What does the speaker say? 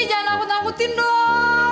jangan takut takutin dong